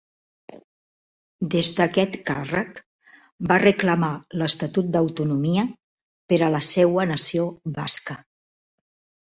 Des d'aquest càrrec, va reclamar l'estatut d'autonomia per a la seua nació basca.